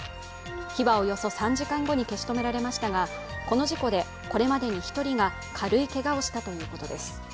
火はおよそ３時間後に消し止められましたがこの事故でこれまでに１人が軽いけがをしたということです。